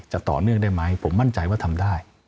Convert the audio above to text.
ต่อเนื่องได้ไหมผมมั่นใจว่าทำได้